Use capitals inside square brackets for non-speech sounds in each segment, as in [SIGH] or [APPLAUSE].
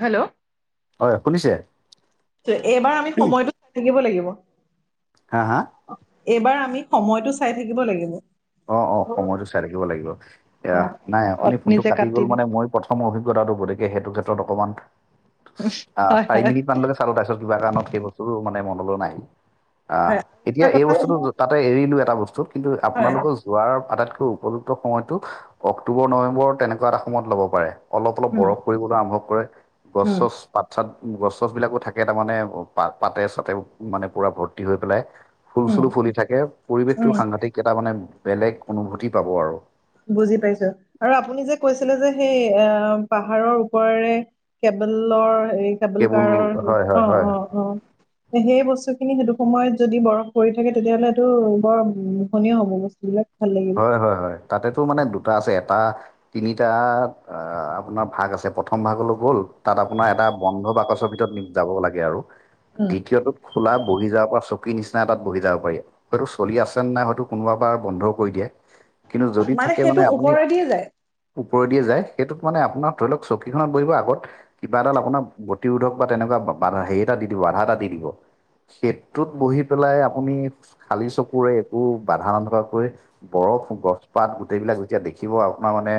Hello? হয় শুনিছে। এইবাৰ আমি সময়টো চাই থাকিব লাগিব। হা হা এইবাৰ আমি সময়তটো চাই থাকিব লাগিব। অ', অ', সময়টো চাই থাকিব লাগিব এ, নাই অ আপুনি ফোনটো নিজে কাটি গ'ল দি মানে মই প্ৰথম অভিজ্ঞতাটো গতিকে সেইটো ক্ষেত্ৰত অকমান আহ হয় চাৰি হয়। মিনিট মান লে চালো তাৰিছত কিবা কাৰণত সেই বস্তুতটো মানে মনলৈ নাই আহ হয় আৰু এটা এতিয়া এই কথা বস্তুতটো তাতে এৰিলো এটা বস্তু কিন্তু হয় আপোনালোক যোৱাৰ আটাইতকৈ উপযুক্ত সময়তটো অক্টোবৰ, নৱেম্বৰ তেনেকুৱা এটা সময়ত ল'ব পাৰে। অলপ, অলপ উম বৰফ কৰিবলৈ আৰম্ভৱ কৰে গছছ উম পাত চাত গছ চছ বিলাকো থাকে, তাৰমানে প পাতে চাতে মানে পুৰা ভৰ্তি হৈ পেলাই ফুল চুলো উম ফুলি থাকে, পৰিৱেশটো সাংঘাতিক এটা মানে বেলেগ অনুভূতি পাব আৰু। বুজি পাইছোঁ আৰু আপুনি যে কৈছিলে যে সেই আ, পাহাৰৰ ওপৰেৰে কেবলৰ এই কেবল কেৱল কাৰৰ হয় হয় অ', হয় অ', অ'। সেই বস্তুখিনি সেইটো সময়ত যদি বৰফ পৰি থাকে তেতিয়াহ'লে সেইটো বৰ ধনীয় হ'ব বস্তু। এইবিলাক ভাল লাগে। হয় হয় হয়। তাতে তোৰ মানে দুটা আছে, এটা তিনিটা আ, আপোনাৰ ভাগ আছে, প্ৰথম ভাগলৈ গ'ল তাত আপোনাৰ এটা বন্ধ বাকচৰ ভিতৰত নিম যাব লাগে আৰু দ্বিতীয়টোত খোলা বহি যাব পৰা চকী নিচিনা এ, তাত বহি যাব পাৰি। হয়তো চলি আছে নাই হয়তো কোনোবা পৰা বন্ধ কৰি দিয়ে, কিন্তু যদি থাকে সেইটো মানে আপুনি ওপৰেদিয়ে যায় ওপৰেদিয়ে যায়, সেইটোত মানে আপোনাৰ ধৰি লওক চকীখনত বহিব আগত কিবা এডাল আপোনাৰ গতিৰোধক বা তেনেকুৱা হেৰি এটা দি দিব আধা এটা দি দিব। খেইটোত বহি পেলাই আপুনি খালী চকুৰে একো বাধা নথকাকৈ বৰফ, গছ পাত গোটেইবিলাক যেতিয়া দেখিব আপোনাৰ মানে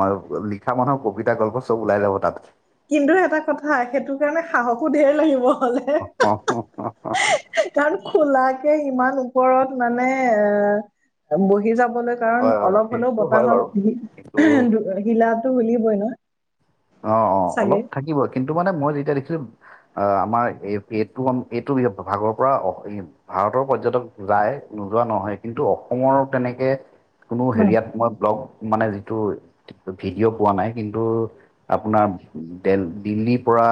ম লিখা মানুহৰ কবিতা গল্প চব ওলাই যাব তাত। কিন্তু এটা কথা, সেইটো কাৰণে সাহসো ধেৰ লাগিব হ'লে। [UNINTELLIGIBLE] কাৰণ খোলাকে ইমান ওপৰত মানে এ, বহি যাবলৈ কাৰণ হয় হয় অলপ হ'লেও সেইটো হয় বাৰু কিন্তু বতাহত হিলাটো হিলিবই ন'। অ', অ' চাগে অলপ থাকিব কিন্তু মানে মই যেতিয়া দেখিছোঁ অ' আমাৰ এই-এইটো এইটো ভাগৰপৰা অসীম। ভাৰতৰ পৰ্যটক যায় নোযোৱা নহয় কিন্তু অসমৰ তেনেকে কোনো ন হেৰিয়াত মই ব্লগ মানে যিটো ভিডিঅ' পোৱা নাই কিন্তু আপোনাৰ দে-দিল্লীৰপৰা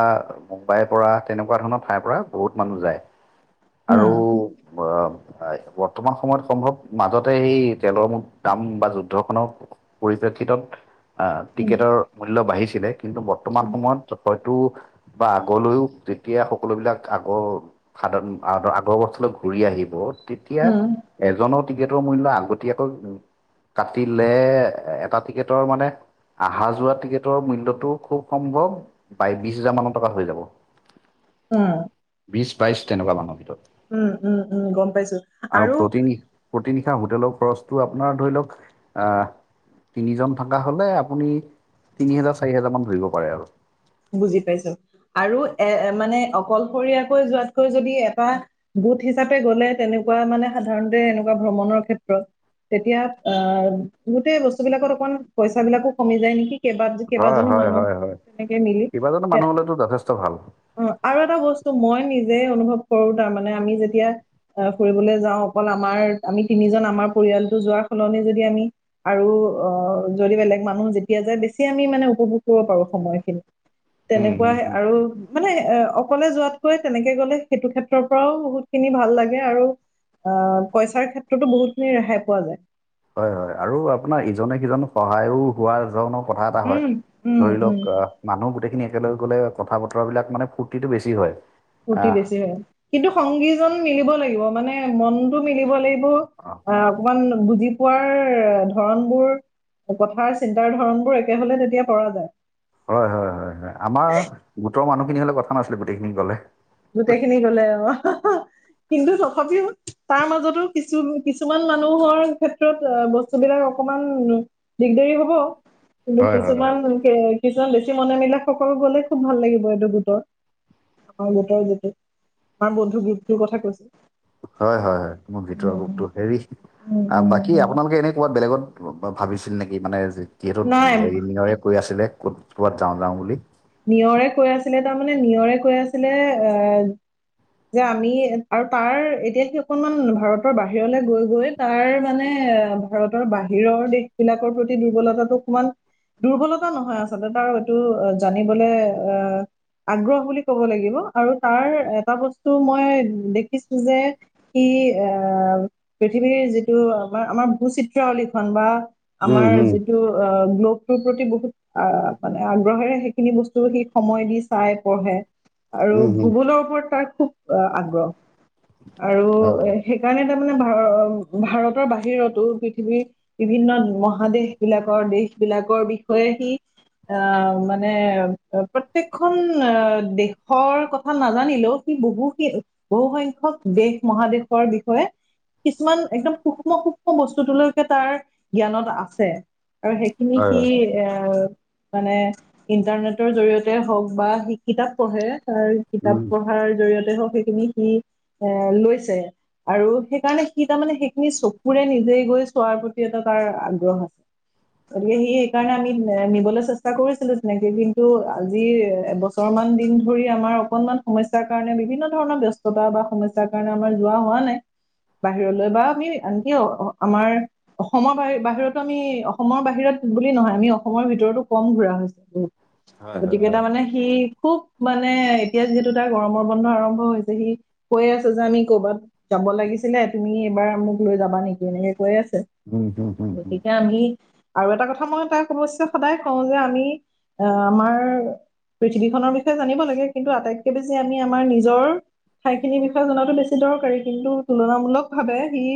মুম্বাইৰপৰা তেনেকুৱা ধৰণৰ ঠাইৰপৰা বহুত মানুহ যায়। আৰু উম আ হয়। বৰ্তমান সময়ত সম্ভৱ মাজতে সেই তেলৰ দাম বা যুদ্ধখনৰ পৰিপ্ৰেক্ষিতত অ' টিকেটৰ মূল্য বাঢ়িছে। ছিলে কিন্তু বৰ্তমান সময়ত হয়তো বা আগলৈও যেতিয়া সকলোবিলাক আগৰ সাদন আগৰ বছলৈ ঘূৰি আহিব উম তেতিয়া উম এজনৰ টিকেটৰ মূল্য আগতীয়াকৈ কাটিলে এটা টিকেটৰ মানে আহা যোৱা টিকেটৰ মূল্য টো খুব সম্ভৱ বাই বিশ হাজাৰ মানৰ টকা হৈ যাব। উম। বিছ বাইছ তেনেকুৱা মানৰ ভিতৰত। উম, উম, উম, গ'ম পাইছোঁ। আৰু প্ৰতি নিশা হোটেলৰ খৰচটো আপোনাৰ ধৰি লওক আ তিনিজন থকা হ'লে আপুনি তিনি হেজাৰ চাৰি, হোজাৰ মান ধৰিব পাৰে আৰু। বুজি পাইছোঁ আৰু এ, মানে অকলশৰীয়াকৈ যোৱাতকৈ যদি এটা গোট হিচাপে গ'লে তেনেকুৱা মানে সাধাৰণতে এনেকুৱা ভ্ৰমণৰ ক্ষেত্ৰত তেতিয়া অ' গোটেই বস্তুবিলাকত অকন পইচাবিলাকো কমি যায় নেকি। কেইবা হয় কেইবাজনো হয় মানুহ হয় হয় তেনেকে মিলি কেইবাজনো তে মানুহ হলেতো যথেষ্ট ভাল অ' আৰু এটা বস্তু মই নিজে অনুভৱ কৰোঁ তাৰমানানে আমি যেতিয়া আ, ফুৰিবলৈ যাওঁ, অকল আমাৰ আমি তিনিজন আমাৰ পৰিয়ালটো যোৱাৰ সলনি যদি আমি আৰু অ' যদি বেলেগ মানুহ যেতিয়া যায়, বেছি আমি মানে উপভোগ কৰিব পাৰো সময়খিনি। উম হুম তেনেকুৱাই হুম আৰু। মানে এ, অকলে যোৱাতকৈ তেনেকে গ'লে সেইটো ক্ষেত্ৰৰ পৰাও বহুতখিনি ভাল লাগে আৰু। আ, পইচাৰ ক্ষেত্ৰতো বহুতখিনি ৰেহাই পোৱা যায়। হয় হয় আৰু আপোনাৰ ইজনে সিজনক সহায়ো হোৱাৰ ৰণক কথা এটা হয় উম উম ধৰি উম লওক আহ। মানুহ গোটেইখিনি একেলগ গলে কথা বতৰাবলাক মানে ফূ্তিটো বেছি হয়। ফূৰ্তি আহ বেছি হয় কিন্তু সংগীজন মিলিব লাগিব মানে মনতটো মিলিব লাগিব। অ। অ, অকমান বুজি পোৱাৰ ধৰণ বোৰ কথাৰ চিন্তাৰ ধৰণ বোৰ একে হলে তেতিয়া পৰা যায়। হয় হয় হয় হয় আমাৰ গোটৰ মানুহখিনি হলে কথা নাছিলে গোটেইখিনি গলে। গোটেই খিনি গলে অ কিন্তু নথাবিও তাৰ মাজতো কিছু কিছুমান মানুহৰ ক্ষেত্ৰত বস্তু বিলাক অকমান দিগদাৰ হব কিন্তু হয় হয় হয় কিছুমান এনেক কিছুমান বেছি মনে মিলে সকলো গলে খুব ভাল লাগিব এইটো গোটৰ। [INAUDIBLE] আমাৰ বন্ধু গ্ৰুপটোৰ কথা কৈছে। হয়, হয়, হয়, মোৰ ভিতৰ গোপটো উম হেৰি উম উম বাকী উম আপোনালোকে এনে কবাত বেলেগত ভাবিছিল নেকি? মানে যিহেতু নাই হেৰি নিয়ৰে কৈ আছিলে ক'ত ক'ৰবাত যাওঁ যাওঁ বুলি। নিয়ৰে কৈ আছিলে তাৰমানে নিয়ৰে কৈ আছিলে এ যে আমি আৰু তাৰ এতিয়া সি অকনমান ভাৰতৰ বাহিৰলে গৈ গৈ তাৰ মানে ভাৰতৰ বাহিৰৰ দেশ বিলাকৰ প্ৰতি দুৰ্বলতাটো অকমান দুৰ্বলতা নহয় আচলতে তাৰ এইটো জানিবলে আহ আগ্ৰহ বুলি ক'ব লাগিব আৰু তাৰ এটা বস্তু মই দেখিছোঁ যে স এ পৃথিৱীৰ যিটো আমাৰ আমাৰ ভূ চিত্ৰাৱলীখন বা উম আমাৰ হুম যিটো অ গ্ল'বটোৰ প্ৰতি বহুত আহ মানে আগ্ৰহেৰে শ সেই খিনি বস্তু সিক সময় দি চাই পঢ়ে আৰু উম হুম ভূগোলৰ ওপৰত তাৰ খুব অ আগ্ৰহ আৰু হয় হয় এ সেই কাৰণে তাৰ মানে ভাৰ ভাৰতৰ বাহিৰতো পৃথিৱীৰ, বিভিন্ন মহাদেশ বিলাকৰ দেশ বিলাকৰ বিষয়ে সি আহ মানে মানে প্ৰত্য়েকখন দেশৰ কথা নাজানিলেও সি বহুখিন বহু সংখ্যক দেশ মহাদেশৰ বিষয়ে, কিছুমান একদম সূক্ষ্ম সূক্ষ্ম বস্তুটোলৈকে তাৰ জ্ঞানত আছে। আৰু সেইখিনি হয় সি হয় এ, মানে ইণ্টাৰনেটৰ জৰি়য়তে হওক বা সেই কিতাপ পঢ়ে তাৰ উম কিতাপ পঢ়াৰ জৰিয়তে হওক সেইখিনি সি এ লৈছে। আৰু সেইকাৰণে সি তাৰ মানে সেইখিনি চকুৰে নিজেই গৈ চোৱাৰ প্ৰতি এটা তাৰ আগ্ৰহ আছে। গতিকে সি সেইকাৰণে আমি নিবলৈ চেষ্টা কৰিছিলো, এনেকে কিন্তু আজি এবছৰ মান দিন ধৰি আমাৰ অকনমান সমস্যাৰ কাৰণে বিভিন্ন ধৰণৰ ব্স্ত [INAUDIBLE] বা সমস্যাৰ কাৰণে আমাৰ যোৱা হোৱা নাই বাহিৰলৈ বা আমি আনকি আমাৰ অসমৰ বাহ বাহিৰতো আমি অসমৰ বাহিৰত বুলি নহয় আমি অসমৰ ভিতৰতো কম ঘুৰা হৈছে। উ হয় হয় গতিকেই হয় তাৰ মানে সি খুব মানে এতিয়া যিহেতু তাৰ গৰমৰ বন্ধ আৰম্ভ হৈছে সি কৈ আছ যে আমি কৰ'ৰবাত যাব লাগিছিলে তুমি এইবাৰ মোক লৈ যাবা নেকি এনেকে কৈ আছে। উম হুম হুম হুম গতিকে আমি আৰু এটা কথা মই তাই [INAUDIBLE] সদায় কওঁ যে আমি আহ, আমাৰ পৃথিৱীখনৰ বিষয়ে জানিব লাগে কিন্তু আটাইতকে বেছি আমি আমাৰ নিজৰ ঠাইখিনিৰ বিষয়ে জনাতো বেছি দৰকাৰী কিন্তু তুলনামূলক ভাৱে সি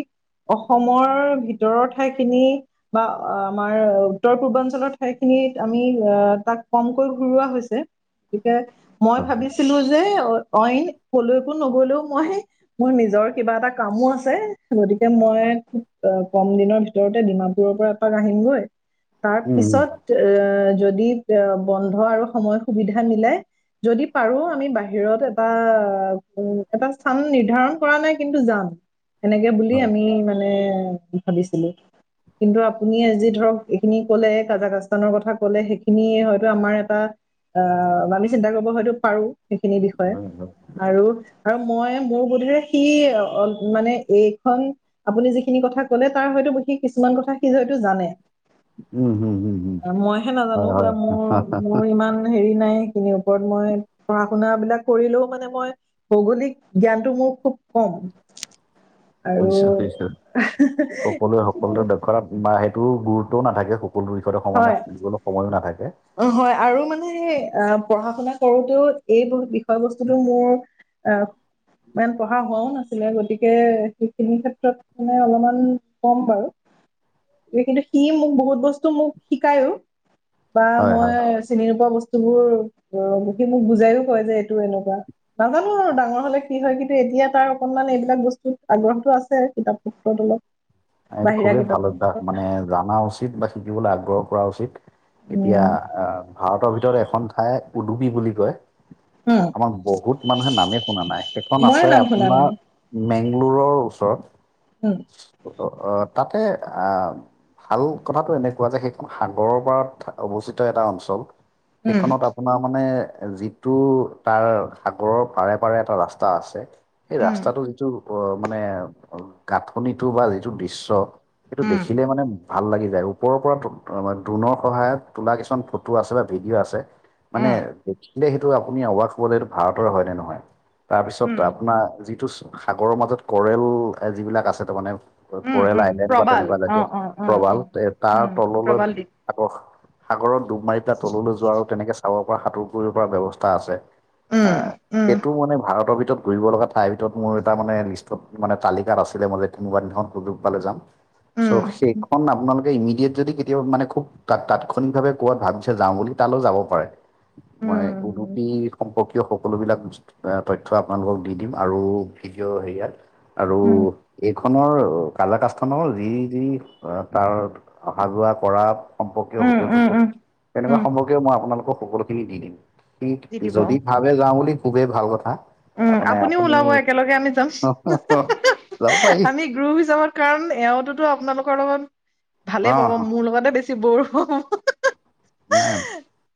অসমৰ ভিতৰৰ ঠাইখিনি, বা আমাৰ উত্তৰ পূৰ্বাঞ্চলৰ ঠাইখিনিত আমি এ তাক কমকৈ ঘূুৰা হৈছে গতিকে মই হয় হয় ভাবিছিলো যে অইন কলৈ একো নগলেও মই। মোৰ নিজৰ কিবা এটা কামো আছে গতিকে মই খুব কম দিনৰ ভিতৰতে ডিমাপুৰৰ পৰা আহিমগৈ তাৰ উম হুম পিছত এ যদি যদি বন্ধ আৰু সময় সুবিধা মিলে, যদি পাৰো আমি বাহিৰত এটা উ এটা স্থান নিৰ্ধাৰণ কৰা নাই কিন্তু যাম, সেনেকে বুলি হয় আমি মানে ভাবিছিলোঁ কিন্তু আপুনি আজি ধৰক এইখিনি ক'লে কাজাকাস্তানৰ কথা ক'লে সেইখিন খিনিয় হয়তো আমাৰ এটা অ', আমি চিন্তা কৰিব হয়তো পাৰোঁ সেইখিনি বিষয়ে। হয় হয় আৰু, আৰু মই মোৰ বোধেৰে সি অ', মানে এইখন আপুনি যিখিনি কথা ক'লে তাৰ হয়তো সি কিছুমান কথা সি হয়তো জানে। উম, উম, উম, উম, মইহে নাজানো হয়, বা হয়। মোৰ মোৰ ইমান হেৰি নাই [UNINTELLIGIBLE] ওপৰত মই পঢ়া শুনাবিলাক কৰিলেও মানে মই ভৌগলিক জ্ঞানটো মোৰ খুব কম। বুজিছো বুজিছো সকলোৱে সকলোৰে আৰু দক্ষতাত বা সেইটো গুৰুত্বও নাথাকে সকলো দিশতে সমানে [UNINTELLIGIBLE] সময়ো নাথাকে। অ', হয়, আৰু মানে পঢ়া শুনা কৰোতেও এই বহুত বিষয় বস্তুটো মোৰ আ, ইমান পঢ়া হোৱাও নাছিলে গতিকে সেইখিনি ক্ষেত্ৰত মানে অলপমান ক'ম বাৰু। কিন্তু সি মোক বহুত বস্তু মোক শিকায়ও বা হয় হয় মই চিনি নোপোৱা বস্তুবোৰ মোক বুজাইও কয় যে এইটো এনেকুৱা। নাজানো আৰু ডাঙৰ হ'লে কি হয়, কিন্তু এতিয়া তাৰ অকনমান এইবিলাক বস্তুত আগ্ৰহতো আছে কিতাপ পত্ৰত অলপ। এইটো বাহিৰা খুবেই কিতাপ ভাল অভ্যাস পত্ৰত মানে জনা উচিত বা শিকিবলৈ আগ্ৰহ কৰা উচিত। এতিয়া উম, আহ ভাৰতৰ ভিতৰত এখন ঠাই উডুপি বুলি কয়। উম, আমাৰ বহুত মানুহে নামেই শুনা নাই, সেইখন মইয়ে আছে নাম শুনা আপোনাৰ নাই মেংগলোৰৰ ওচৰত। [INAUDIBLE] অ', তাতে আহ ভাল কথাটো এনেকুৱা যে, সেইখন সাগৰৰ পাৰত অৱস্থিত এটা অঞ্চল। উম। সেইখনত আপ পোনাৰ মানে যিটো তাৰ সাগৰৰ পাৰে, পাৰে এটা ৰাস্তা আছে। সেই উম, ৰাস্তাটো যিটো অ', মানে গাঁঠনিটো বা যিটো দৃশ্য সেইটো উম, দেখিলে মানে ভাল লাগি যায়, ওপৰৰ পৰা ড্ৰো-ড্ৰোনৰ সহায়ত তোলা কিছুমান ফটো আছে বা ভিডিঅ' আছে মানে উম, দেখিলে সেইটো আপুনি অবাসহ'ব যে এইটো ভাৰতৰ হয়, নে নহয়! তাৰপিছত উম, আপোনাৰ যিটো সাগৰৰ মাজত ক'ৰেল যিবিলাক আছে তাৰমানানে উম, ক'ৰেল উম, আইলেণ্ড বা প্ৰবাল তেনেকুৱা এ, অ', অ', অ', প্ৰবাল অ'। তাৰ উম, তললৈ প্ৰবালদ্বীপ সাগৰ, সাগৰ ডুব মাৰি পেলাই তললৈ যোৱা আৰু তেনেকে চাব পৰা সাঁতোৰ কৰিব পৰা ব্যৱস্থা আছে। উম, [INAUDIBLE] উম, এইটো মানে ভাৰতৰ ভিতৰত ঘূৰিব লগা ঠাইৰ ভিতৰত মোৰ এটা মানে লিষ্টত মানে তালিকাত আছিলে মানে [UNINTELLIGIBLE] পালে যাম চ' উম, উম। সেইখন আপোনালোকে ইমিডিয়েট যদি কেতিয়াবানে খুব তা-তাৎক্ষণিকভাৱে ক'ৰবাত ভাবিছে যাওঁ বুলি তালৈ যাব পাৰে। মই উম, উদুপি সম্পৰ্কীয় সকলোবিলাক বস্তু তথ্য আপোনালোকক দি দিম আৰু ভিডিঅ' হেৰিয় আৰু [INAUDIBLE] এইখনৰ কাজাকাস্তানৰ যি, যি তাৰ অহা যোৱা কৰা সম্পৰ্কীয় হোটেল উম, চোটেল, উম, তেনেকুৱা উম, সম্পৰ্কীয় মই আপোনালোকক সকলোখিনি দি দিম। দি [UNINTELLIGIBLE] দিব যদি ভাবে যাওঁ বুলি খুবেই ভাল কথা। উম তাৰমানে আপুনিও আপুনি, ওলাব একেলগে আমি যাম যাব পাৰি। আমি গ্ৰুপ হিচাপত কাৰণ এওঁ তোতো আপোনালোকৰ লগত অ ভালে পাব, মোৰ লগতে বেছি বৰ হ'ব [UNINTELLIGIBLE] নাই [INAUDIBLE]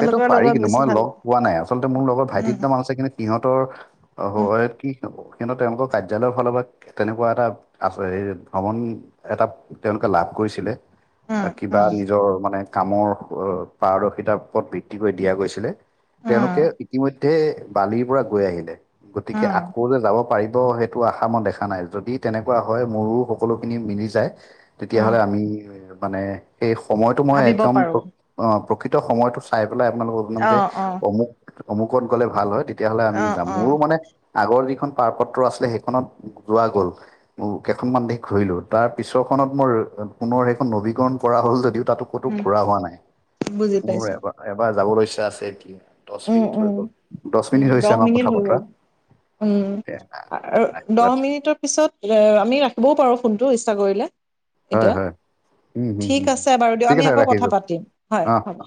সেইটো পাৰি লগত কিন্তু বেছি মই ভাল লগ পাব পোৱা নাই, আচলতে মোৰ লগৰ উম ভাইটিৰ দুটাম আছে কিন্তু সিহঁতৰ উম [INAUDIBLE] কিন্তু তেওঁলোকৰ কাৰ্যালয়ৰ ফালৰ পৰা তেনেকুৱা এটা আছে এ, ভ্ৰমণ এটা তেওঁলোকে লাভ কৰিছিলে উম কিবা নিজৰ মানে কামৰ পাৰদৰ্শিতাৰ পথ বিত্তি কৰি দিয়া গৈছিলে উম তেওঁলোকে ইতিমধ্যে বালিৰ পৰা গৈ আহিলে উম গতিকে উম আকৌ যে যাব পাৰিব সেই এইটো আশা মই দেখা নাই যদি তেনেকুৱা হয় মোৰো সকলোখিনি মিলি যায় উম তেতিয়াাহলে আমি মানে সেই সময়টো মই ভাবিব একদম পাৰো প্ৰকৃত সময়ত চাই পেলাই আপোনালোকক বনাম অ যে অ অমুক অমুকত গলে ভাল হয় তেতিয়াহলে আমি অ যাম অ মোৰো মানে আগৰ যিখন পাৰপত্ৰ আছিলে সেইখনত যোৱা গ'ল কেইখনমান দেশ ঘূৰিলো তাৰ পিছৰখনত মোৰ পুনৰ সেইখন নবীকৰণ কৰা হ'ল যদিও তাতো কতো উম ঘুৰা হোৱা নাই বুজি মোৰ পাইছো এবাৰ এবাৰ যাবলৈ ইচ্ছা আছে কি দহ উম মিনিট হৈ উম গ'ল দহ উম মিনিট হৈছে আমাৰ মিনিট কথা হৈ গ'ল বতৰা এ, আৰু দহ মিনিটৰ পিছত আমি ৰাখিবও পাৰো ফোনটো ইচ্ছা কৰিলে হয় এতিয়া হয় উম হুম ঠিক হুম আছে বাৰু দিয়ক ঠিক আমি আছে আকৌ কথা ৰাখিছোঁ পাতিম হয় অ হ'ব